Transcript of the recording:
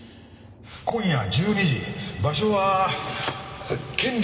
今夜１２時場所は賢隆寺。